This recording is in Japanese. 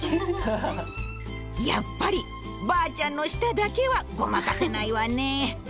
やっぱりばあちゃんの舌だけはごまかせないわね。